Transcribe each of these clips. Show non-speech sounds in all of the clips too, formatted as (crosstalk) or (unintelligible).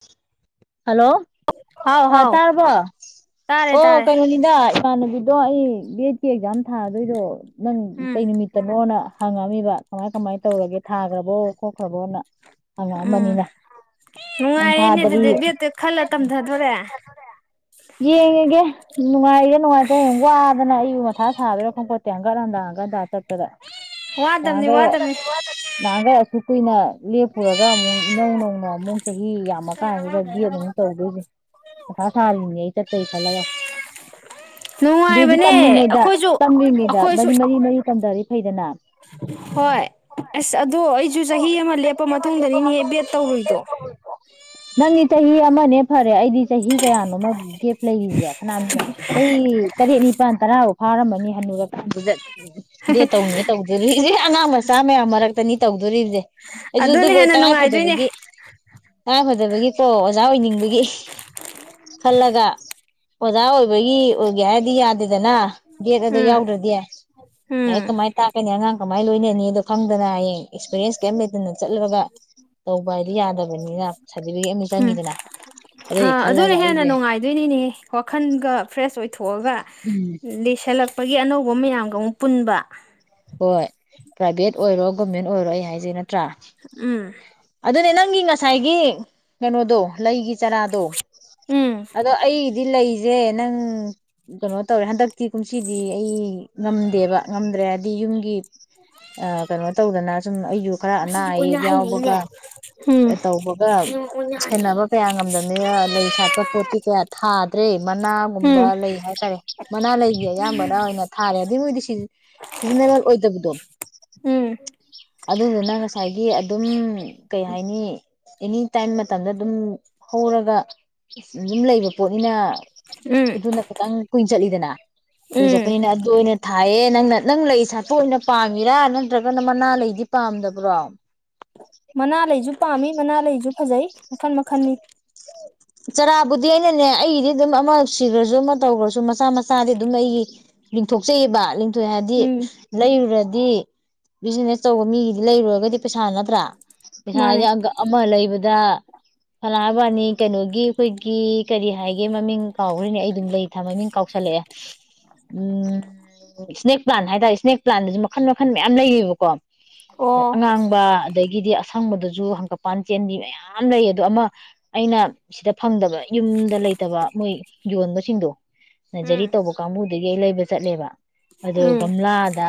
ꯊꯤꯠ hello ꯂꯣ ꯍꯥꯎ ꯑ ꯍꯥꯎ ꯇꯥꯔꯕꯣ ꯇꯥꯔꯦ ꯑꯣ ꯇꯥꯔꯦ ꯀꯩꯅꯣꯅꯤꯗ ꯏꯃꯥꯟꯅꯕꯤ ꯗꯣ ꯑꯩ ꯕꯦꯠ ꯀꯤ ꯑꯦꯛꯖꯥꯝ ꯊꯥꯗꯣꯏꯗꯣ ꯅꯪ ꯀꯩ ꯎꯝ ꯅꯨꯃꯤꯠꯇꯅꯣꯅ ꯍꯪꯉꯝꯃꯤꯕ ꯀꯃꯥꯏ ꯀꯃꯥꯏ ꯇꯧꯔꯒꯦ ꯊꯥꯒ꯭ꯔꯕꯣ ꯈꯣꯠꯈ꯭ꯔꯕꯣꯅ ꯎꯝ ꯍꯪꯉꯑꯝꯕꯅꯤꯅ ꯎꯝ ꯅꯨꯡꯉꯥꯏꯔꯦꯅꯦ ꯕꯦꯠꯇ ꯈꯜꯂ ꯇꯝꯊꯗꯣꯔꯦ ꯑꯦ ꯅꯨꯡꯉꯥꯏꯔꯦ ꯅꯨꯡꯉꯥꯏꯇ꯭ꯔꯦ ꯌꯥꯝ ꯋꯥꯗꯅ ꯑꯩꯕꯨ ꯃꯊꯥ ꯁꯥꯗꯣꯏꯔꯥ ꯈꯣꯡꯄꯣꯠꯇꯦ ꯍꯪꯒꯀꯠ ꯍꯟꯗꯥ ꯍꯪꯒꯠ ꯍꯜꯗ ꯆꯠꯄꯗ ꯋꯥꯗꯕꯅꯤ ꯅꯍꯥꯟꯈꯩ ꯋꯥꯗꯕꯅꯤ ꯅꯍꯥꯟꯈꯩ ꯑꯁꯨ ꯀꯨꯏꯅ ꯂꯦꯞꯄꯨꯔꯒ ꯑꯃꯨꯛ ꯅꯧ ꯅꯧꯅ ꯆꯍꯤ ꯌꯥꯝꯃ ꯀꯥꯟꯗꯨꯗ ꯕꯦꯠ ꯑꯃꯨꯛ ꯇꯧꯗꯣꯏꯁ ꯃꯊꯥ ꯁꯥꯜꯂꯤꯅꯦ ꯑꯩ ꯆꯠꯄꯩ ꯈꯜꯂꯒ ꯑꯗꯗꯤ ꯅꯨꯡꯉꯥꯏꯕꯅꯦ ꯇꯝꯃꯤꯉꯩꯗ ꯑꯩꯈꯣꯏꯁꯨ ꯇꯝꯃꯤꯉꯩꯗ ꯑꯩꯈꯣꯏꯁꯨ ꯃꯔꯤ ꯃꯔꯤ ꯃꯔꯤ ꯇꯝꯊꯔꯤ ꯐꯩꯗꯅ ꯍꯣꯏ ꯑꯁ ꯑꯗꯨ ꯑꯗꯣ ꯑꯩꯁꯨ ꯆꯍꯤ ꯑꯃ ꯂꯦꯞꯄ ꯃꯇꯨꯡꯗꯅꯤꯅꯦꯍꯦꯛ ꯕꯦꯠ ꯇꯧꯔꯨꯏꯗꯣ ꯅꯪꯗꯤ ꯆꯍꯤ ꯑꯃꯅꯦ ꯐ ꯑꯩꯗꯤ ꯆꯍꯤ ꯀꯌꯥꯅꯣꯃ ꯒꯦꯞ ꯂꯩꯔꯤꯁꯦ ꯀꯅꯥ ꯑꯩ ꯇꯔꯦꯠ ꯅꯤꯄꯥꯟ ꯇꯔꯥ ꯐꯥꯔꯝꯃꯅꯤ ꯍꯟꯅꯨꯔꯛꯖꯠ ꯎ ꯗꯦ ꯇꯧꯅꯤ ꯇꯧꯗꯔꯤ ꯑꯉꯥꯡ ꯃꯆꯥ ꯃꯌꯥꯝ ꯃꯔꯛꯇꯅꯤ ꯑꯗꯨꯣ ꯑꯩꯁꯨ ꯑꯗꯨꯅ ꯑꯗꯨꯕꯨ ꯍꯦꯟꯅ ꯇꯉꯥꯏ ꯅꯨꯡꯉꯥꯏꯗꯣꯏꯅꯦ ꯐꯗꯕꯒꯤ ꯇꯉꯥꯏ ꯐꯗꯕꯒꯤꯀꯣ ꯑꯣꯖꯥ ꯑꯣꯏꯅꯤꯡꯕꯒꯤ ꯈꯜꯂꯒ ꯑꯣꯖꯥ ꯑꯣꯏꯕꯒꯤ ꯑꯣꯏꯒꯦ ꯍꯥꯏꯗꯤ ꯌꯥꯗꯦꯗꯅ ꯗꯒꯦꯠ ꯑꯗꯨꯗꯣ ꯎꯝ ꯌꯥꯎꯗ꯭ꯔꯗꯤ ꯎꯝ ꯂꯥꯏꯔꯤꯛ ꯀꯃꯥꯏꯅ ꯇꯥꯛꯀꯅꯤ ꯑꯉꯪ ꯀꯃꯥꯏꯅ ꯂꯣꯏꯅꯅꯤꯗꯣ ꯈꯪꯗꯅ ꯍꯌꯦꯡ ꯑꯦꯛꯁꯄꯤꯔꯤꯌꯦꯟꯁ ꯀꯩꯝ ꯂꯩꯇꯅ ꯆꯠꯂꯒ ꯇꯧꯕ ꯍꯥꯏꯗꯤ ꯌꯥꯗꯕꯅꯤꯅ ꯁꯥꯔꯇꯤꯐꯤꯀꯦꯠ ꯑꯃ ꯎꯝ ꯆꯪꯈꯤꯗꯅ ꯑꯗꯨꯒꯤ ꯑꯥ ꯑꯗꯨꯅ ꯈꯜꯂꯒ ꯍꯦꯟꯅ ꯑꯩꯁꯦ ꯍꯒ ꯂꯤꯁꯂꯛ ꯑꯩꯒꯤ ꯑꯅꯧꯕ ꯃꯌꯥꯝꯒ ꯑꯃꯨꯛ ꯄꯨꯟꯕ ꯍꯣꯏ ꯄ꯭ꯔꯥꯏꯚꯦꯠ ꯑꯣꯏꯔꯣ ꯒꯣꯔꯃꯦꯟ ꯑꯣꯏꯔꯣ ꯑꯩ ꯍꯥꯏꯖꯩ ꯅꯠꯇ ꯭ꯔ ꯑꯗꯨ ꯎꯝ ꯑꯗꯨꯅꯅ ꯅꯪꯒꯤ ꯉꯁꯥꯏꯒꯤ ꯀꯩꯅꯣꯗꯣ ꯂꯩꯒꯤ ꯆꯔꯥꯗꯣ ꯎꯝ ꯑꯗꯣ ꯑꯩꯗꯤ ꯂꯩꯁ ꯏꯁꯦ ꯅꯪ ꯀꯩꯅꯣ ꯇꯧꯔꯦ ꯍꯟꯗꯛꯇꯤ ꯀꯨꯝꯁꯤꯗꯤ ꯑꯩ ꯉꯝꯗꯦꯕ ꯉꯝꯗ꯭ꯔꯦ ꯑ ꯌꯨꯝꯒꯤ ꯑ ꯀꯩꯅꯣ ꯇꯧꯗꯅ ꯁꯨꯝ ꯑꯩꯁꯨ ꯈꯔ ꯑꯅꯥ ꯃꯁꯤꯗꯤ ꯑꯣꯏꯅ ꯑꯌꯦꯛ ꯍꯩꯅꯩꯅꯦ ꯌꯥꯎꯕꯒ ꯎꯝ ꯇꯧꯕꯒ ꯍꯌꯦꯡ ꯑꯣꯏꯅꯥꯅꯤ ꯁꯦꯟꯅꯕ ꯀꯌꯥ ꯉꯝꯗꯕꯅꯤꯅ ꯂꯩ ꯁꯥꯠꯄ ꯄꯣꯠꯤ ꯀꯌꯥ ꯊꯥ ꯇ꯭ꯔꯦ ꯎꯝ ꯃꯅꯥꯒꯨꯝꯕ ꯂꯩ ꯍꯥꯏꯇꯥꯔꯦ ꯃꯅꯥ ꯂꯩꯁ ꯑꯌꯥꯝꯕꯅ ꯑꯣꯏꯅ ꯊꯥꯔꯦ ꯑꯗꯨꯏ ꯃꯣꯏꯗꯤ ꯁꯤ ꯁꯤꯖꯤꯟꯅꯕ ꯑꯣꯏꯗꯕꯗꯣꯟ ꯎꯝ ꯑꯗꯨꯗꯨꯅ ꯉꯁꯥꯏꯒꯤ ꯑꯗꯨꯝ ꯀꯩ ꯍꯥꯏꯅꯤ ꯑꯦꯅꯤ ꯇꯥꯏꯝ ꯃꯇꯝꯗ ꯑꯗꯨꯝ ꯍꯧꯔꯒ ꯑꯗꯨꯝ ꯂꯩꯕ ꯄꯣꯠꯅꯤꯅ ꯎꯝ ꯑꯗꯨꯅ ꯈꯤꯇꯪ ꯀꯨꯏꯅ ꯆꯠꯂꯤꯗꯅ ꯀꯨꯏ ꯎꯝ ꯆꯠꯄꯅꯤꯅ ꯑꯗꯨ ꯑꯣꯏꯅ ꯊꯥꯏꯌꯦ ꯂꯪꯅ ꯅꯪ ꯂꯩ ꯁꯥꯠꯇꯣꯛ ꯑꯣꯏꯅ ꯄꯥꯝꯃꯤꯔꯥ ꯅꯠꯇ꯭ꯔꯒꯅ ꯃꯅꯥ ꯂꯩꯗꯤ ꯄꯥꯝꯗꯕ꯭ꯔꯣ ꯃꯅꯥ ꯂꯩꯁꯨ ꯄꯥꯝꯃꯤ ꯃꯅꯥ ꯂꯩꯁꯨ ꯐꯖꯩ ꯃꯈꯟ ꯃꯈꯟꯅꯤ ꯆꯔꯥꯕꯨꯗꯤ ꯑꯩꯅꯅꯦ ꯑꯩꯒꯤꯗꯤ ꯑꯗꯨꯝ ꯑꯃ ꯁꯤꯈ꯭ꯔꯁꯨ ꯑꯃ ꯇꯧꯈ꯭ꯔꯁꯨ ꯃꯆꯥ ꯃꯆꯥꯗꯤ ꯑꯗꯨꯝ ꯑꯩꯒꯤ ꯂꯤꯡꯊꯣꯛꯆꯩꯑꯦꯕ ꯇ ꯍꯥꯏꯗꯤ ꯎꯝ ꯂꯩꯔꯨꯔꯗꯤ ꯗꯤ ꯕꯤꯖꯤꯅꯦꯁ ꯇꯧꯕ ꯃꯤꯒꯤꯗꯤ ꯂꯩꯔꯨꯔꯒꯗꯤ ꯄꯩꯁꯥ ꯅꯠꯇ꯭ꯔꯥ ꯄꯩꯁꯥꯥꯁꯦ ꯃꯥꯅꯦ ꯑꯃ ꯂꯩꯕꯗ ꯐꯂꯥ ꯋꯥꯅꯤ ꯀꯩꯅꯣꯒꯤ ꯑꯩꯈꯣꯏꯒꯤ ꯀꯔꯤ ꯍꯥꯏ ꯃꯃꯤꯡ ꯀꯥꯎꯈ꯭ꯔꯅꯦ ꯑꯩ ꯑꯗꯨꯝ ꯂꯩ ꯊ ꯃꯃꯤꯡ ꯀꯥꯎꯁꯜꯂꯛꯑꯦ ꯎꯝ ꯏꯁꯅꯦꯛ ꯄ꯭ꯂꯥꯟ ꯍꯥꯏꯇꯥꯔꯦ ꯏꯁꯅꯦꯛ ꯄ꯭ꯂꯥꯟꯗꯁꯨ ꯃꯈꯟ ꯃꯈꯟ ꯃꯌꯥꯝ ꯂꯩꯌꯦꯕꯀꯣ ꯑꯣ ꯑꯉꯥꯡꯕ ꯑꯗꯒꯤꯗꯤ ꯑꯁꯪꯕꯗꯁꯨ ꯍꯪꯒꯄꯥꯟ ꯆꯦꯟꯕꯤ ꯃꯌꯥꯝ ꯂꯩ ꯑꯗꯣ ꯑꯃ ꯑꯩꯅ ꯁꯤꯗ ꯐꯪꯗꯕ ꯌꯨꯝꯗ ꯂꯩꯇꯕ ꯃꯣꯏ ꯌꯣꯟꯕꯁꯤꯡꯗꯣ ꯅꯖꯔꯤ ꯎꯝ ꯇꯧꯕ ꯀꯥꯡꯕꯨꯗꯒꯤ ꯑꯩ ꯂꯩ ꯆꯠꯂꯦꯕ ꯑꯗꯣ ꯎꯝ ꯒꯝꯂꯥꯗ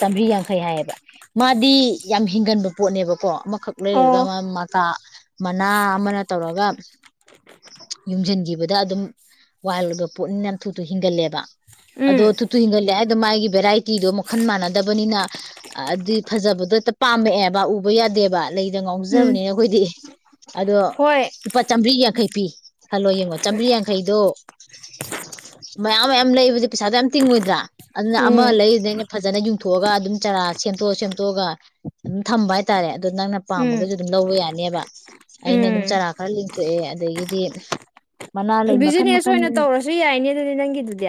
ꯆꯥꯝꯃꯔꯤ ꯌꯥꯡꯈꯩ ꯍꯥꯏꯌꯦꯕ ꯃꯥꯗꯤ ꯌꯥꯝ ꯍꯤꯡꯒꯟꯕ ꯄꯣꯠꯅꯦꯕꯀꯣ ꯑꯃ ꯈꯛ ꯂꯩꯔꯒ ꯑꯣ ꯃ ꯃꯅꯥ ꯑꯃꯅ ꯇꯧꯔꯒ ꯌꯨꯡꯁꯤꯟꯈꯤꯕꯗ ꯑꯗꯨꯝ ꯋꯥꯏꯜꯒ ꯄꯣꯠꯅꯤꯅ ꯌꯥꯝ ꯊꯨ ꯊꯨꯅ ꯍꯤꯡꯒꯜꯂꯦꯕ ꯑꯗꯣ ꯎꯝ ꯇꯨ ꯇꯨ ꯍꯤꯡꯒꯠꯂꯦ ꯍꯥꯏ ꯗ ꯃꯥꯒꯤ ꯚꯦꯔꯥꯏꯇꯤꯗꯣ ꯃꯈꯟ ꯃꯥꯟꯅꯗꯕꯅꯤꯅ ꯑꯗꯨꯗꯤ ꯐꯖꯕꯗꯣ ꯍꯦ ꯄꯥꯝꯃꯛꯑꯦꯕ ꯎꯕ ꯌꯥꯗꯦꯕ ꯂꯩꯗ ꯎꯝ ꯉꯥꯎꯖꯕꯅꯤꯅ ꯑꯩꯈꯣꯏꯗꯤ ꯑꯗꯣ ꯍꯣꯏ ꯂꯨꯄꯥ ꯆꯥꯝꯕꯔ꯭ꯤ ꯌꯥꯡꯈꯩ ꯄꯤ ꯍꯜꯂꯣ ꯌꯦꯡꯉꯣ ꯆꯥꯝꯕꯔ꯭ꯤ ꯌꯥꯡꯈꯩꯗꯣ ꯃꯌꯥꯝ ꯃꯌꯥꯝ ꯂꯩꯕꯗꯤ ꯄꯩꯁꯥꯗꯣ ꯌꯥꯝ ꯇꯤꯡꯉꯣꯏꯗ꯭ꯔꯥ ꯑꯗꯨꯅ ꯑꯃ ꯎꯝ ꯂꯩ ꯏꯔꯨꯗꯣꯏꯅꯦ ꯐꯖꯅ ꯌꯨꯡꯊꯣꯛꯑꯒ ꯑꯗꯨꯝ ꯆꯔꯥ ꯁꯦꯝꯗꯣꯛꯑ ꯁꯦꯝꯗꯣꯛꯑꯒ ꯑꯗꯨꯝ ꯊꯝꯕ ꯍꯥꯏꯇꯥꯔꯦ ꯑꯗꯣ ꯅꯪꯅ ꯎꯝ ꯄꯥꯝꯃꯒꯁꯨ ꯑꯗꯨꯝ ꯂꯧꯕ ꯌꯥꯅꯦꯕ ꯑꯩꯅ ꯑꯗꯨꯝ ꯎꯝ ꯆꯥꯔꯥ ꯈꯔ ꯂꯤꯡꯊꯣꯛꯑꯦ ꯑꯗꯒꯤꯗꯤ ꯃꯅꯥ ꯂꯩ ꯃꯈꯟ ꯕꯤꯖꯤꯅꯦꯁ ꯃꯈꯟ ꯑꯣꯏꯅ ꯇꯧꯔꯁꯨ ꯌꯥꯏꯅꯦ ꯑꯗꯨꯗꯤ ꯅꯪꯒꯤꯗꯨꯗꯤ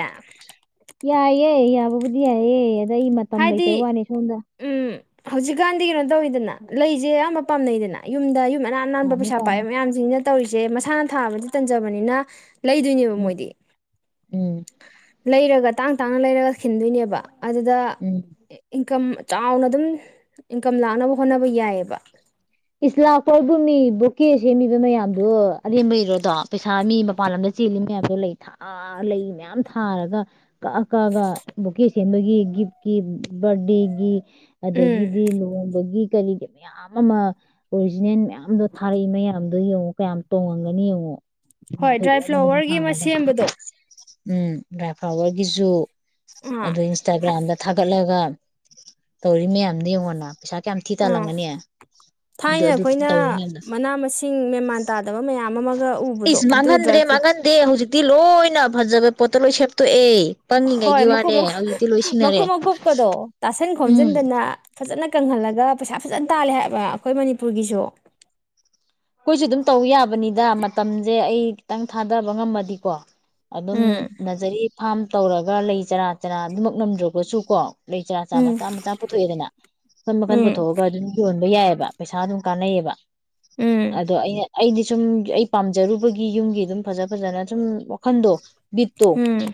ꯌꯥꯏꯌꯦ ꯌꯥꯕꯕꯨꯗꯤ ꯌꯥꯏꯌꯦ ꯑꯩ ꯃꯇꯝ ꯍꯥꯏꯗꯤ ꯂꯩꯇꯕ ꯋꯥꯅꯤ ꯁꯣꯝꯗ ꯎꯝ ꯍꯧꯖꯤꯛꯀꯥꯟꯗꯤ ꯀꯩꯅꯣ ꯇꯧꯋꯤꯗꯅ ꯂꯩꯁꯦ ꯑꯌꯥꯝꯕ ꯄꯥꯝꯅꯩꯗꯅ ꯌꯨꯝꯗ ꯌꯨꯝ ꯑꯅꯥꯟ ꯅꯥꯟꯕ ꯄꯥꯝꯃꯦ ꯄꯩꯁꯥ ꯄꯥꯝꯃꯦ ꯄꯥꯏꯕ ꯃꯌꯥꯝꯁꯤꯡꯁꯤꯅ ꯇꯧꯔꯤꯁꯦ ꯃꯁꯥꯅ ꯊꯥꯕꯗꯤ ꯇꯟꯖꯕꯅꯤꯅ ꯂꯩꯗꯣꯏꯅꯦꯕ ꯎꯝ ꯃꯣꯏꯗꯤ ꯎꯝ ꯂꯩꯔꯒ ꯇꯥꯡ ꯇꯥꯡꯅ ꯂꯩꯔꯒ ꯈꯤꯟꯗꯣꯏꯅꯦꯕ ꯑꯗꯨꯗ ꯎꯝ ꯏꯟꯀꯝ ꯆꯥꯎꯅ ꯑꯗꯨꯝ ꯏꯟꯀꯝ ꯂꯥꯛꯅꯕ ꯍꯣꯠꯅꯕ ꯌꯥꯏꯑꯕ ꯂꯥꯛꯄꯣꯏꯕ ꯃꯤ ꯕꯣꯀꯦ ꯁꯦꯝꯃꯤꯕ ꯃꯌꯥꯝꯗꯣ ꯑꯔꯦꯝꯕꯩꯔꯣꯗꯣ ꯄꯩꯁꯥ ꯃꯤ ꯃꯄꯥꯟ ꯂꯝꯗ ꯆꯦꯜꯂꯤ ꯃꯌꯥꯝꯗꯣ ꯂꯩ ꯊꯥ ꯂꯩ ꯃꯌꯥꯝ ꯊꯥꯔꯒ ꯀꯛꯑ ꯀꯛꯑꯥꯒ ꯕꯨꯀꯦ ꯁꯦꯝꯦꯕꯒꯤ ꯒꯤꯐꯀꯤ ꯕꯥꯔꯗꯦꯒꯤ ꯎꯝ ꯑꯗꯒꯤꯗꯤ ꯂꯨꯍꯣꯡꯕꯒꯤ ꯀꯂꯤꯒꯤ ꯃꯌꯥꯝ ꯑꯃ ꯑꯣꯔꯤꯖꯤꯅꯦꯜ ꯃꯌꯥꯝꯗꯣ ꯊꯥꯔꯛꯏ ꯃꯌꯥꯝꯗꯣ ꯌꯦꯡꯉꯨ ꯀꯌꯥꯝ ꯇꯣꯡꯉꯝꯒꯅꯤ ꯌꯦꯡꯉꯣ ꯍꯣꯏ ꯗ꯭ꯔꯥꯏ ꯐꯩꯗꯣꯝ ꯐꯩꯗꯣꯝ ꯐ꯭ꯂꯥꯋꯔꯒꯤ ꯑꯃ ꯊꯥꯔꯒ ꯁꯦꯝꯕꯗꯣ ꯎꯝ ꯗꯔꯥꯏ ꯐꯂꯥꯥꯋꯔꯥꯒꯤꯁꯨꯨ ꯑꯥ ꯑꯗꯨ ꯏꯟꯁꯇꯥꯒ꯭ꯔꯥꯝꯗ ꯊꯥꯒꯠꯂꯒ ꯇꯧꯔꯤ ꯃꯌꯥꯝꯗꯤ ꯌꯦꯡꯉꯣꯅ ꯄꯩꯁꯥ ꯀꯌꯥꯝ ꯊꯤ ꯑꯥ ꯇꯥꯂꯝꯒꯅꯤ ꯊꯥꯏꯅ ꯑꯩꯈꯣꯏꯅ ꯃꯅꯥ ꯃꯁꯤꯡ ꯃꯦꯃꯥꯟ ꯇꯥꯗꯕ ꯃꯌꯥꯝ ꯑꯃꯒ ꯎꯕꯗꯣ ꯑꯗꯨ ꯗ꯭ꯔꯥꯏ ꯐ꯭ꯔꯨꯠ ꯇꯤ ꯂꯣꯏꯅ ꯐꯖꯕ ꯄꯣꯠꯇ ꯂꯣꯏꯅ ꯁꯦꯝꯇꯣꯛꯑꯦ ꯍꯣꯏ ꯃꯀꯨꯞ ꯃꯀꯨꯞ ꯃꯀꯨꯞ ꯃꯀꯨꯞꯀꯗꯣ ꯇꯥꯁꯟ ꯎꯝ ꯈꯣꯝꯖꯤꯟꯗꯅ ꯐꯖꯅ ꯀꯪꯍꯜꯂꯒ ꯄꯩꯁꯥ ꯐꯖꯅ ꯇꯥꯜꯂꯦ ꯍꯥꯏꯕ ꯑꯩꯈꯣꯏ ꯃꯅꯤꯄꯨꯔꯒꯤꯁꯨ ꯑꯩꯈꯣꯏꯁꯨ ꯑꯗꯨꯝ ꯇꯧ ꯌꯥꯕꯅꯤꯗ ꯃꯇꯝꯁꯦ ꯑꯩ ꯈꯤꯇꯪ ꯊꯥꯗꯕ ꯉꯝꯃꯗꯤꯀꯣ ꯑꯗꯨꯝ ꯎꯝ ꯅꯥꯖꯔꯤ ꯐꯥꯝ ꯇꯧꯔꯒ ꯂꯩꯖꯔꯥ ꯀꯅꯥ ꯑꯗꯨꯃꯛ ꯅꯝꯗ꯭ꯔꯒꯁꯨ ꯀꯣ ꯂꯩ ꯆꯔꯥ ꯆꯥ ꯎꯝ ꯃꯆꯥ ꯃꯆꯥ ꯄꯨꯊꯣꯛꯑꯦꯗꯅ ꯃꯈꯟ ꯃꯈꯟ ꯎꯝ ꯄꯨꯊꯣꯛꯑꯒ ꯑꯗꯨꯝ ꯌꯣꯟꯕ ꯌꯥꯏꯑꯕ ꯄꯩꯁꯥ ꯑꯗꯨꯝ ꯀꯥꯟꯅꯩꯌꯦꯕ ꯎꯝ ꯑꯗꯣ ꯑꯩꯅ ꯑ ꯁꯨꯝ ꯑꯩ ꯄꯥꯝꯖꯔꯨꯕꯒꯤ ꯌꯨꯝꯒꯤ ꯑꯗꯨꯝ ꯐꯖ ꯐꯖꯅ ꯁꯨꯝ ꯋꯥꯈꯟꯗꯣ ꯕꯤꯠꯇꯣ ꯎꯝ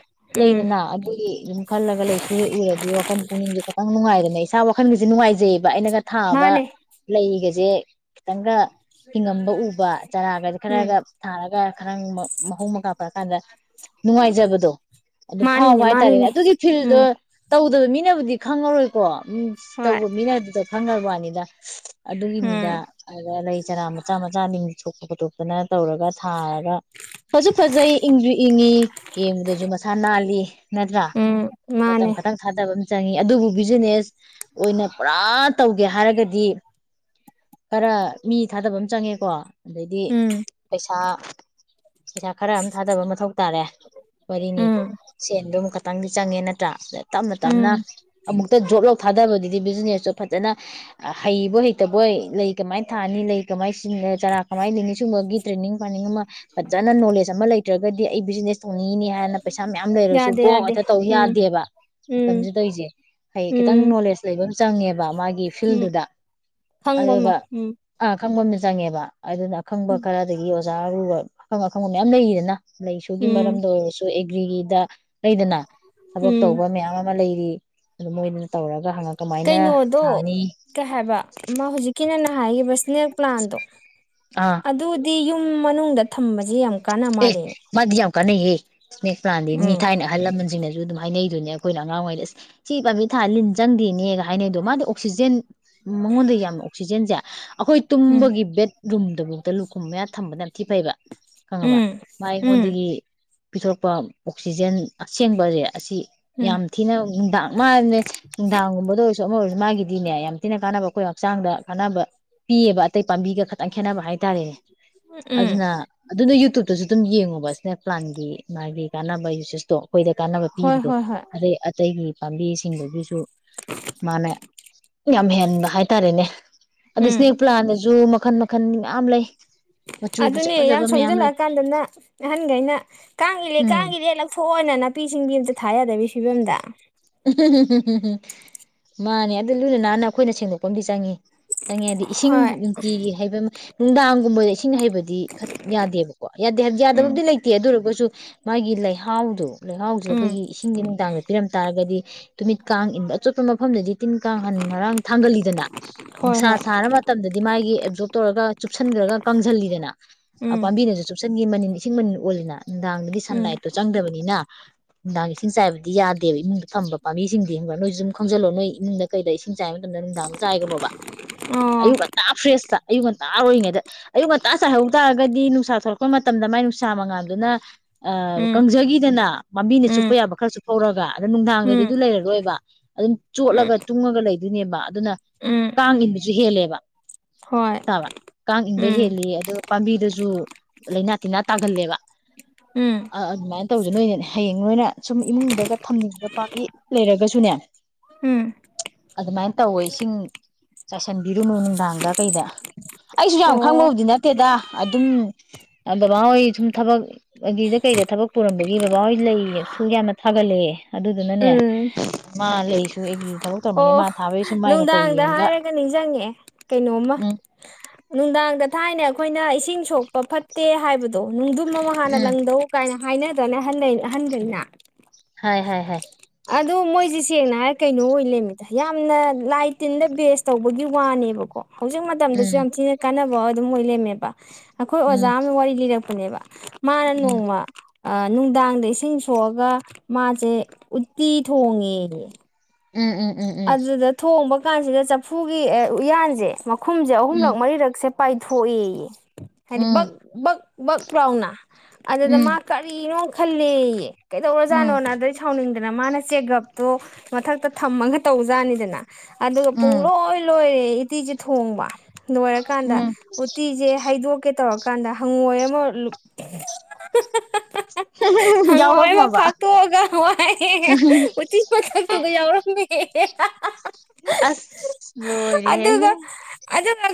ꯎꯝ ꯂꯩꯗꯅ ꯑꯗꯨꯒꯤ ꯑꯗꯨꯝ ꯈꯜꯂꯒ ꯂꯩꯁꯨ ꯍꯦꯛ ꯎꯔꯗꯤ ꯋꯥꯈꯜ ꯄꯨꯛꯅꯤꯡꯗꯤ ꯇꯪ ꯅꯨꯡꯉꯥꯏꯔꯅꯦ ꯏꯁꯥ ꯋꯥꯈꯜꯒꯤꯁꯨ ꯅꯨꯡꯉꯥꯏꯖꯩꯕ ꯑꯩꯅꯒ ꯊꯥꯕ ꯃꯥꯅꯦ ꯂꯩꯒꯁꯦ ꯌꯦꯦ ꯈꯈꯤꯗꯒ ꯍꯤꯡꯉꯝꯕ ꯎꯕ ꯆꯔꯥꯒꯁ ꯎꯝ ꯈꯔꯒ ꯊꯥꯔꯒ ꯈꯔ ꯃ ꯃꯒꯄꯥ ꯀꯗ ꯅꯨꯡꯉꯥꯏꯖꯕꯗꯣ ꯑꯗꯨ ꯐꯥꯎꯕ ꯃꯥꯅꯤꯅꯦ ꯍꯥꯏꯇꯥꯔꯦꯅꯦ ꯃꯥꯅꯤꯅꯦ ꯑꯗꯨꯒꯤ ꯐꯤꯜꯗꯣ ꯎꯝ ꯇꯧꯗꯕ ꯃꯤꯅꯕꯨꯗꯤ ꯈꯪꯉꯔꯣꯏꯀꯣ ꯎꯝ ꯍꯣꯏ ꯇꯧꯕ ꯃꯤꯅ ꯑꯗꯨꯗ ꯈꯪꯒ ꯋꯥꯅꯤꯗ ꯑꯗꯨꯒꯤ ꯃꯤꯗ ꯎꯝ ꯑꯗ ꯂꯩ ꯆꯔꯥꯃ ꯃꯆꯥ ꯃꯆꯥꯅꯤꯡ ꯁꯣꯛꯄꯗꯣ ꯑꯗꯨꯅ ꯇꯧꯔꯒ ꯊꯥꯔꯒ ꯐꯁꯨ ꯐꯖꯩ ꯏꯪꯁꯨ ꯏꯪꯉꯤ ꯌꯦꯡꯕꯗꯁꯨ ꯃꯁꯥ ꯅꯥꯜꯂꯤ ꯅꯠꯇ꯭ꯔ ꯎꯝ ꯃꯇꯝ ꯃꯥꯅꯦ ꯈꯇꯪ ꯊꯥꯗꯕ ꯆꯪꯉꯤ ꯑꯗꯨꯕꯨ ꯕꯤꯖꯤꯅꯦꯁ ꯑꯣꯏꯅ ꯄꯨꯔꯥ ꯇꯧꯒꯦ ꯍꯥꯏꯔꯒꯗꯤ ꯈꯔ ꯃꯤ ꯊꯥꯗꯕꯝꯃ ꯆꯪꯉꯦꯀꯣ ꯑꯗꯩꯗꯤ ꯎꯝ ꯄꯩꯁꯥ ꯄꯩꯁꯥ ꯄꯩꯁꯥ ꯈꯔ ꯑꯃ ꯊꯥꯗꯕ ꯃꯊꯧ ꯇꯥꯔꯦ ꯋꯥꯔꯤꯅꯤ ꯎꯝ ꯁꯦꯟꯗꯣ ꯑꯃꯛ ꯈꯇꯪ ꯆꯪꯉꯦ ꯅꯠꯇ꯭ꯔ ꯇꯞꯅ ꯇꯞꯅ ꯎꯝ ꯑꯃꯨꯛꯇ ꯖꯣꯠ ꯂꯧ ꯊꯥꯗꯕꯗꯤ ꯍꯥꯏꯗꯤ ꯕꯤꯖꯤꯅꯦꯁꯇꯣ ꯐꯖꯅ ꯍꯩꯕꯣꯏ ꯍꯩꯇꯕꯣꯏ ꯂꯩ ꯀꯃꯥꯏꯅ ꯊꯥꯅꯤ ꯂꯩ ꯀꯃꯥꯏ ꯆꯔꯥ ꯀꯃꯥꯏꯅ ꯂꯩꯅꯤ ꯁꯨꯝꯕꯒꯤ ꯇ꯭ꯔꯦꯅꯤꯡ ꯄ꯭ꯂꯥꯅꯤꯡ ꯑꯃ ꯐꯖꯅ ꯅꯣꯂꯦꯖ ꯑꯃ ꯂꯩꯇ꯭ꯔꯒꯗꯤ ꯑꯩ ꯕꯤꯖꯤꯅꯦꯁ ꯇꯧ ꯪꯅꯤ ꯍꯥꯏꯅ ꯄꯩꯁꯥ ꯃꯌꯥꯝ ꯂꯩꯔꯁꯨ ꯌꯥꯗꯦ ꯀꯣꯛ ꯌꯥꯗꯦ ꯍꯦꯛꯇ ꯇꯧ ꯎꯝ ꯌꯥꯗꯦꯕ ꯎꯝ ꯃꯇꯝꯁꯤꯗ ꯇꯧꯔꯤꯁꯦ ꯍ ꯈꯤꯇꯪ ꯎꯝ ꯅꯣꯂꯦꯖ ꯂꯩ ꯆꯪ ꯉꯦꯕ ꯃꯥꯒꯤ ꯎꯝ ꯐꯤꯜꯗꯨꯗ ꯈꯪꯕ ꯑꯃ ꯑꯗꯨꯒ ꯎꯝ ꯑ ꯈꯪꯕ ꯑꯃ ꯆꯪꯉꯦꯕ ꯑꯗꯨꯅ ꯑꯈꯪꯕ ꯈꯔꯗꯒꯤ ꯑꯣꯖꯥ ꯑꯔꯨꯕ ꯑꯈꯪ ꯑꯈꯪꯕ ꯃꯌꯥꯝ ꯂꯩꯔꯤꯗꯅ ꯂꯩꯁꯨꯒꯤ ꯎꯝ ꯃꯔꯝꯗ ꯑꯣꯏꯔꯁꯨ ꯑꯦꯒꯔ꯭ꯤ ꯒꯤꯗ ꯂꯩꯗꯅ ꯊꯕꯛ ꯎꯝ ꯇꯧꯕ ꯃꯌꯥꯝ ꯑꯃ ꯂꯩꯔꯤ ꯑ ꯃꯣꯏꯗꯅ ꯇꯧꯔꯒ ꯍꯪꯉ ꯀꯃꯥꯏꯅ ꯀꯩꯅꯣꯗꯣ ꯊꯥꯅꯤ ꯀꯩ ꯍꯥꯏꯕ ꯃꯥ ꯍꯧꯖꯤꯛꯀꯤꯅ ꯍꯥꯏꯒꯤ ꯁ꯭ꯅꯦꯛ ꯄ꯭ꯂꯥꯟ ꯇꯣ ꯑꯥ ꯑꯗꯨꯗꯤ ꯌꯨꯝ ꯃꯅꯨꯡꯗ ꯊꯝꯕꯁꯤ ꯌꯥꯝ ꯀꯥꯟꯅ ꯑꯦ ꯃꯥꯜꯂꯦꯅꯦ ꯃꯥꯗꯤ ꯌꯥꯝ ꯀꯥꯟꯅꯩꯍꯦ ꯁ꯭ꯅꯦꯛ ꯄ꯭ꯂꯥꯟꯗꯤ ꯃꯤ ꯎꯝ ꯊꯥꯏꯅ ꯑꯍꯜ ꯂꯃꯟꯁꯤꯡꯅꯁꯨ ꯑꯗꯨꯝ ꯍꯥꯏꯅꯩꯗꯨꯅꯦ ꯑꯩꯈꯣꯏꯅ ꯑꯉꯥꯡ ꯑꯣꯏꯔꯤꯉꯩꯑꯁ ꯁꯤ ꯄꯥꯝꯕꯤ ꯊꯥ ꯂꯤꯟ ꯆꯪꯗꯦꯅꯦꯒ ꯍꯥꯏꯅꯩꯗꯣ ꯃꯥꯗꯤ ꯑꯣꯛꯁꯤꯖꯦꯟ ꯃꯉꯣꯟꯗ ꯌꯥꯝ ꯑꯣꯛꯁꯤꯖꯦꯟꯁꯦ ꯑꯩꯈꯣꯏ ꯎꯝ ꯇꯨꯝꯕꯒꯤ ꯕꯦꯠ ꯔꯨꯝꯗꯐꯥꯎꯗ ꯂꯨꯈꯨꯝ ꯃꯌꯥ ꯊꯝꯕꯅ ꯌꯥꯝꯊꯤ ꯐꯩꯕ ꯈꯪꯉꯕ ꯎꯝ ꯃꯥ ꯎꯝ ꯑꯩꯉꯣꯟꯗꯒꯤ ꯄꯤꯊꯣꯔꯛꯄ ꯑꯣꯛꯁꯤꯖꯦꯟ ꯑꯁꯦꯡꯕꯁꯦ ꯑꯁꯤ ꯎꯝ ꯌꯥꯝ ꯊꯤꯅ ꯅꯨꯡꯗꯥꯡ ꯃꯥꯕꯅꯦ ꯅꯨꯡꯗꯥꯡꯒꯨꯝꯕꯗ ꯑꯣꯏꯁꯨ ꯑꯃ ꯑꯣꯏꯔꯁꯨ ꯃꯥꯒꯤꯗꯤꯅꯦ ꯌꯥꯝ ꯊꯤꯅ ꯀꯥꯟꯅꯕ ꯑꯩꯈꯣꯏ ꯍꯛꯆꯥꯡꯗ ꯀꯥꯟꯅꯕ ꯄꯤꯌꯦꯕ ꯑꯇꯩ ꯄꯥꯝꯕꯤꯒ ꯈꯇꯪ ꯈꯦꯠꯅꯕ ꯍꯥꯏꯇꯥꯔꯦꯅꯦ ꯎ ꯎꯝ ꯑꯗꯨꯅ ꯑꯗꯨꯅ ꯌꯨꯇ꯭ꯌꯨꯇꯁꯨ ꯑꯗꯨꯝ ꯌꯦꯡꯉꯣꯕ ꯁ꯭ꯅꯦꯞꯄ꯭ꯂꯥꯟꯒꯤ ꯃꯥꯒꯤ ꯀꯥꯟꯅꯕ ꯌꯨꯁꯦꯁꯇꯣ ꯑꯩꯈꯣꯏꯗ ꯀꯥꯟꯅꯕ ꯍꯣꯏ ꯄꯤꯕꯗꯣ ꯍꯣꯏ ꯍꯣꯏ ꯑꯗꯩ ꯑꯇꯩꯒꯤ ꯄꯥꯝꯕꯤꯁꯤꯡꯗꯗꯒꯤꯁꯨ ꯃꯥꯅꯦ ꯌꯥꯝ ꯍꯦꯟꯕ ꯍꯥꯏꯇꯥꯔꯦꯅꯦ ꯑ ꯎꯝ ꯏꯁꯅꯦꯛ ꯄ꯭ꯂꯥꯟꯗꯁꯨ ꯃꯈꯟ ꯃꯈꯟ ꯃꯌꯥꯝ ꯂꯩ ꯃꯆꯨ ꯑꯗꯨ ꯐꯖ ꯑꯗꯨꯅꯦ ꯌꯥ ꯐꯖꯕ ꯃꯌꯥꯝ ꯂꯩ ꯁꯣꯖꯜꯂꯛꯑꯀꯥꯟꯗꯅ ꯑꯍꯟꯈꯩꯅ ꯀꯥꯡꯉꯔꯦ ꯎꯝ ꯀꯥꯡ ꯏꯔꯦ ꯂꯧꯊꯣꯛꯑꯣꯅ ꯅꯥꯄꯤ ꯁꯤꯡꯕꯤ ꯑꯝꯇ ꯊꯥ ꯀ ꯌꯥꯗꯕꯤ ꯐꯤꯕꯝꯗ ꯎ ꯎ ꯎ ꯃꯥꯅꯦ ꯑꯗꯨ ꯂꯨꯅ ꯅꯥꯟꯅ ꯑꯩꯈꯣꯏꯅ ꯁꯦꯡꯗꯣꯛꯄ ꯑꯃꯗꯤ ꯆꯪꯏꯤ ꯆꯪꯉꯦ ꯍꯥꯏꯗꯤ ꯏꯁꯤꯡ ꯍꯣꯏ ꯅꯨꯡꯇꯤꯒꯤ ꯍꯥꯏꯕ ꯑꯃ ꯅꯨꯡꯗꯥꯡꯒꯨꯝꯕꯗ ꯏꯁꯤꯡ ꯍꯩꯕꯅꯤ ꯌꯥꯗꯦꯕꯀꯣ ꯌꯥꯗꯦ ꯍꯥꯏ ꯎꯝ ꯌꯥꯗꯕꯕꯨꯗꯤ ꯂꯩꯇꯦ ꯑꯗꯨꯒ ꯁꯨ ꯃꯥꯒꯤ ꯂꯩꯍꯥꯎꯗꯣ ꯂꯩꯍꯥꯎꯁꯤꯗ ꯎꯝ ꯑꯩꯈꯣꯏꯒꯤ ꯏꯁꯤꯡꯁ ꯅꯨꯡꯗꯥꯡꯗ ꯄꯤꯔꯝ ꯍꯥꯏꯔꯒꯗꯤ ꯇꯨꯃꯤꯠ ꯀꯥꯡ ꯏꯟꯕ ꯆꯠꯄ ꯃꯐꯝꯗꯗꯤ ꯇꯤꯟ ꯀꯥꯡꯍꯟ ꯉꯔꯥꯡ ꯊꯥꯡꯒꯜꯂꯤꯗꯅ ꯍꯣꯏ ꯅꯨꯡꯁꯥ ꯍꯣꯏ ꯁꯥꯔ ꯃꯇꯝꯗꯗꯤ ꯃꯥꯒꯤ ꯑꯦꯞꯖꯣꯔꯞ ꯇꯧꯔꯒ ꯆꯨꯞꯁꯤꯟꯈ꯭ꯔꯒ ꯀꯥꯡꯁꯤꯜꯂꯤꯗꯅ ꯎꯝ ꯄꯥꯝꯕꯤꯅꯁꯨ ꯆꯨꯞꯁꯤꯟꯈꯤ ꯃꯅꯤꯟ ꯏꯁꯤꯡ ꯃꯅꯤꯟ ꯑꯣꯜꯂꯤꯅ ꯅꯨꯡꯗꯥꯡꯗꯗꯤ ꯎꯝ ꯁꯟꯂꯥꯏꯠꯇꯣ ꯆꯪꯗꯕꯅꯤꯅ ꯅꯨꯪꯗꯥꯡ ꯏꯁꯤꯡ ꯆꯥꯏꯕꯗꯤ ꯌꯥꯗ ꯕ ꯏꯃꯨꯡꯗ ꯐꯝꯕ ꯄꯥꯕꯤꯁꯤꯡꯗꯤ ꯍꯪꯕ꯭ꯔꯥ ꯅꯣꯏꯁꯨ ꯁꯨꯝ ꯈꯪꯖꯤꯜꯂꯣ ꯅꯣꯏ ꯏꯨꯡꯗ ꯀꯩꯗ ꯏꯁꯤꯡ ꯆꯥꯏꯕ ꯃꯇꯝꯗ ꯅꯨꯡꯗꯥꯡꯅ ꯆꯥꯏꯒꯅꯣꯕ꯫ ꯑꯣ ꯑꯌꯨꯛ ꯉꯟꯇꯥ ꯐꯔ꯭ꯦꯁ ꯇꯥ ꯑꯌꯨꯛ ꯉꯟꯇꯥ ꯑꯣꯏꯔꯤꯉꯩꯗ ꯑꯌꯨꯛ ꯉꯟꯇꯥ ꯆꯥꯏꯍꯧ ꯇꯥꯔꯒꯗꯤ ꯅꯨꯡꯁꯥ ꯊꯣꯛꯂꯛꯄ ꯃꯇꯝꯗ ꯃꯥꯏ ꯅꯨꯡꯁꯥ ꯃꯉꯥꯟꯗꯨꯅ ꯑ ꯎꯝ ꯀꯪꯖꯈꯤꯗꯅ ꯄꯥꯝꯕꯤꯅ ꯎꯝ ꯆꯨꯞꯄ ꯌꯥꯕ ꯈꯔ ꯆꯨꯞꯊꯧꯔꯒ꯫ ꯑꯗꯣ ꯅꯨꯡꯗꯥꯡꯗꯩꯗꯤ ꯎꯝ ꯑꯗꯨ ꯂꯩꯔꯔꯣꯏꯕ ꯑꯗꯨꯝ ꯎꯝ ꯆꯣꯠꯂꯒ ꯇꯨꯡꯉꯒ ꯂꯩꯗꯣꯏꯅꯦꯕ ꯑꯗꯨꯅ ꯎꯝ ꯀꯥꯡ ꯏꯟꯕꯁꯨ ꯍꯦꯜꯂꯦꯕ ꯍꯣꯏ ꯇꯥꯕ ꯀꯥꯡ ꯏꯟꯕ ꯎꯝ ꯍꯦꯜꯂꯤ ꯑꯗꯨꯒ ꯄꯥꯝꯕꯤꯗꯁꯨ ꯂꯩꯅꯥ ꯇꯤꯟꯅꯥ ꯇꯥꯒꯜꯂꯦꯕ ꯎꯝ ꯑꯗꯨꯃꯥꯏꯅ ꯇꯧꯁꯨ ꯅꯣꯏꯅꯅꯦ ꯍꯌꯦꯡ ꯅꯣꯏꯅ ꯁꯨꯝ ꯏꯃꯨꯡꯗ ꯊꯝꯅꯤꯡꯕꯗ ꯄꯥꯝꯕꯤ ꯂꯩꯔꯒꯁꯨꯅꯦ ꯎꯝ ꯑꯗꯨꯃꯥꯏꯅ ꯇꯧꯋꯦ ꯏꯁꯤꯡ ꯆꯥꯏꯁꯟꯕꯤꯔꯨꯅꯨ ꯅꯨꯡꯗꯥꯡꯗ ꯀꯩꯗ ꯑꯩꯁꯨ ꯌꯥꯝ ꯑꯣ ꯈꯪꯕꯕꯨꯗꯤ ꯅꯠꯇꯦꯗ ꯑꯗꯨꯝ ꯕꯕꯥꯍꯣꯏ ꯁꯨꯝ ꯊꯕꯛ ꯑꯗꯨꯗ ꯀꯩꯗ ꯊꯕꯛ ꯄꯨꯔꯝꯕꯒꯤ ꯕꯕꯥꯍꯣꯏ ꯂꯩꯁꯨ ꯌꯥꯝꯅ ꯊꯥꯒꯠꯂꯦ ꯑꯗꯨꯗꯨꯅꯅꯦ ꯎꯝ ꯃꯥ ꯂꯩꯁꯨ ꯑꯩꯒꯤ ꯊꯕꯛ ꯇꯧꯝꯕꯅꯦ ꯑꯣ ꯃꯥ ꯊꯥꯕꯒꯤꯁꯨ ꯃꯥꯏ ꯃꯇꯧ ꯅꯨꯡꯗꯥꯡꯗ ꯌꯦꯡꯉꯒ ꯍꯥꯏꯔꯒ ꯅꯤꯡꯁꯤꯡꯉꯦ ꯀꯩꯅꯣꯝꯃ ꯎꯝ ꯅꯨꯡꯗꯥꯡꯗ ꯊꯥꯏꯅ ꯑꯩꯈꯣꯏꯅ ꯏꯁꯤꯡ ꯁꯣꯛꯄ ꯐꯠꯇꯦ ꯍꯥꯏꯕ ꯗꯣ ꯅꯨꯡꯗꯨꯝ ꯑꯃ ꯍꯥꯟꯅ ꯎꯝ ꯂꯪꯗꯧ ꯀꯥꯏꯅ ꯍꯥꯏꯅꯗ꯭ꯔꯅꯦ ꯑꯍꯟꯂꯩ ꯑꯍꯟꯈꯩꯅ ꯍꯥꯏ - ꯍꯥꯥꯏ - ꯍꯥꯏ꯫ ꯑꯗꯣ ꯃꯣꯏꯁꯦ ꯁꯦꯡꯅ ꯍꯥꯏꯔ ꯀꯩꯅꯣ ꯑꯣꯏ ꯂꯩꯃꯤꯗ ꯌꯥꯝꯅ ꯂꯥꯏ ꯇꯤꯟꯗ ꯕꯦꯁ ꯇꯧꯕꯒꯤ ꯋꯥꯅꯦꯕꯀꯣ ꯍꯧꯖꯤꯛ ꯃꯇꯝꯗꯁꯨ ꯎꯝ ꯌꯥꯝ ꯊꯤꯅ ꯀꯥꯟꯅ ꯑꯗꯨꯝ ꯑꯣꯏ ꯂꯩꯝꯃꯦꯕ ꯑꯈꯣꯏ ꯑꯣꯖꯥ ꯎꯝ ꯑꯃꯅ ꯋꯥꯔꯤ ꯂꯤꯔꯛ ꯄꯅꯦꯕꯥ ꯃꯥꯅ ꯎꯝ ꯅꯣꯡꯃ ꯑꯥ ꯅꯨꯡꯗꯥꯡꯗ ꯏꯁꯤꯡ ꯁꯣꯛꯑꯒ ꯃꯥꯖꯦ ꯎꯠꯇꯤ ꯊꯣꯡꯉꯦꯌꯦ ꯎꯝ ꯎꯝ ꯎꯝ ꯑꯗꯨꯗ ꯊꯣꯡꯕ ꯀꯥꯟꯁꯤꯗ ꯆꯐꯨꯒꯤ ꯎꯌꯥꯟꯖꯦ ꯈꯨꯝꯁꯦ ꯑꯍꯨꯝꯂꯛ ꯎꯝ ꯃꯔꯤꯔꯛꯁꯦ ꯄꯥꯏꯊꯣꯛꯏꯌꯦ ꯍꯥꯏꯗꯤ ꯎꯝ ꯕꯛ- ꯕꯛ ꯕꯛ ꯂꯥꯎꯅ ꯑꯗꯨꯗ ꯃꯥ ꯎꯝ ꯀꯔꯤꯅꯣ ꯈꯜꯂꯦꯌꯦ ꯎꯝ ꯀꯩꯗꯧꯔꯖꯥꯅꯣꯅ ꯑꯗꯩ ꯁꯥꯎꯅꯤꯡ ꯑꯗꯨꯅ ꯃꯥꯅ ꯆꯦꯒꯞꯇꯣ ꯃꯊꯛꯇ ꯊꯝꯃꯒ ꯇꯧꯖꯥꯅꯤꯗꯅ ꯑꯗꯨꯒ ꯎꯝ ꯎꯝ ꯄꯨꯡꯂꯣꯏ ꯂꯣꯏꯔꯦ ꯎꯇꯤꯁꯦ ꯊꯣꯡꯕ ꯅꯣꯏꯔꯀꯥꯟꯗ ꯎꯝ ꯎꯠꯇꯤꯁꯦ ꯍꯩꯗꯣꯛꯀꯦ ꯇꯧꯔꯒ ꯀꯥꯟꯗ ꯍꯪꯉꯣꯏ ꯑꯃ ꯍꯪꯉꯣꯏ ꯑꯃ ꯌꯥꯎꯔꯝꯃꯕ ꯐꯥꯛꯇꯣꯛꯑꯒ ꯍꯋꯥꯏ ꯎꯇꯤ ꯃꯊꯛꯇꯨꯗ ꯌꯥꯎꯔꯝꯃꯦ (unintelligible) ꯑꯁ ꯂꯣꯏꯔꯦꯍꯦ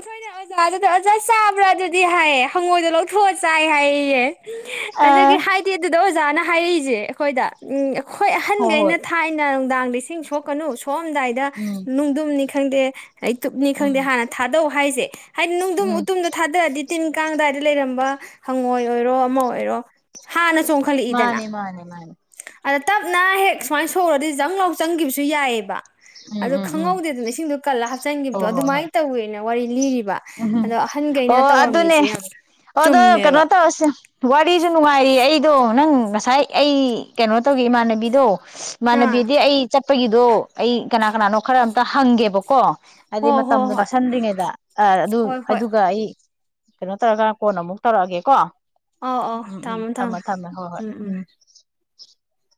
ꯍꯣꯏꯅꯦ ꯑꯣꯖꯥ ꯑꯗꯨ ꯑꯣꯖꯥ ꯆꯥꯕ꯭ꯔꯥ ꯑꯗꯨꯗꯤ ꯍꯥꯏꯌꯦ ꯍꯪꯉꯣꯏꯗꯣ ꯂꯧꯊꯣꯛꯑ ꯆꯥꯏ ꯍꯥꯏꯌꯦꯌꯦ ꯑꯥ ꯑꯗꯒꯤ ꯍꯥꯏꯗꯤ ꯑꯗꯨꯗ ꯑꯣꯖꯥꯅ ꯍꯥꯏꯏꯁꯦ ꯑꯈꯣꯏꯗ ꯎꯝ ꯍꯣꯏ ꯑꯍꯟꯈꯩꯅ ꯊꯥꯏꯅ ꯗꯥꯡꯗ ꯏꯁꯤꯡ ꯁꯣꯛ ꯀꯅꯨꯁ꯫ ꯊꯣꯛꯑꯝꯗꯥꯏꯗ ꯎꯝ ꯅꯨꯡꯗꯨꯝꯅꯤ ꯈꯪꯗꯦ꯫ ꯍꯩꯇꯨꯞꯅꯤ ꯎꯝ ꯈꯪꯗꯦ ꯍꯥꯟꯅ ꯊꯥꯗꯧꯎ ꯍꯥꯏꯁꯦ꯫ ꯍꯥꯏꯗꯤ ꯅꯨꯡꯗꯨꯝ ꯎꯝ ꯎꯇꯨꯝꯗꯣ ꯊꯥꯗꯔꯗꯤ꯫ ꯇꯤꯟ ꯀꯥꯡꯑꯗꯥꯏꯗ ꯂꯩꯔꯝꯕ ꯍꯪꯉꯣꯏ ꯑꯣꯏꯔꯣ ꯑꯃ ꯑꯣꯏꯔꯣ ꯍꯥꯟꯅ ꯆꯣꯡꯈꯠꯂꯛꯏꯗꯅ ꯃꯥꯅꯦ ꯃꯥꯅꯦ ꯃꯥꯅꯦ꯫ ꯑꯗ ꯇꯞꯅ ꯍꯦꯛ ꯁꯨꯃꯥꯏꯅ ꯁꯣꯛꯎꯔꯗꯤ ꯖꯪ ꯂꯥꯎ ꯆꯪꯒꯤꯕꯁꯨ ꯁꯨ ꯌꯥꯏꯑꯦꯕ꯫ ꯎꯝ ꯑꯗꯣ ꯎꯝ ꯎꯝ ꯈꯪꯍꯧꯗꯦꯗꯅ ꯏꯁꯤꯡꯗꯣ ꯀꯜꯂ ꯍꯥꯞꯆꯤꯟꯒꯤꯕꯗꯣ ꯑꯗꯨꯃꯥꯏꯅ ꯇꯧꯋꯦꯅ꯫ ꯋꯥꯔꯤ ꯂꯤꯔꯤ ꯎꯝꯍꯨꯝ ꯑꯣ ꯑꯗꯨꯅꯦ ꯌꯥꯝ ꯑꯣꯗꯣ ꯀꯩꯅꯣ ꯆꯨꯝꯃꯦꯕ ꯇꯧꯔꯁ ꯋꯥꯔꯤꯁꯨ ꯅꯨꯡꯉꯥꯏꯔꯤ ꯑꯩꯗꯣ ꯅꯪ ꯉꯁꯥꯏ ꯑꯩ ꯀꯩꯅꯣ ꯇꯧꯒꯦ ꯏꯃꯥꯟꯅꯕꯤꯗꯣ ꯑꯥ ꯏꯝꯅꯕꯤꯗꯤ ꯑꯩ ꯆꯠ ꯆꯠꯄꯒꯤꯗꯣ ꯑꯩ ꯀꯅꯥ ꯀꯅꯥꯅꯣ ꯈꯔ ꯑꯃꯇ ꯍꯪꯒꯦꯕꯀꯣ꯫ ꯑꯗꯤ ꯍꯣ ꯍꯣ ꯃꯇꯝꯗꯣ ꯍꯣꯏ ꯅꯛꯁꯟꯗ꯭ꯔꯤꯉꯩꯗ꯫ ꯑ ꯑꯗꯨ ꯍꯣꯏ ꯍꯣꯏ ꯑꯗꯨꯒ ꯑꯩ ꯀꯩꯅꯣ ꯇꯧꯔꯒ ꯀꯣꯟꯅ ꯑꯃꯨꯛ ꯇꯧꯔꯛꯑꯒꯦ ꯀꯣ꯫ ꯑꯧ ꯑꯧ ꯊꯝꯃꯣ ꯊꯝꯃꯣ ꯎꯝ ꯎꯝ꯫ (unintelligible)